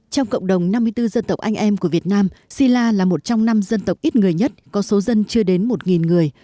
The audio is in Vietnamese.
trong cộng đồng năm mươi bốn dân tộc anh em của việt nam si la là một trong năm dân tộc ít người nhất có số dân chưa đến một người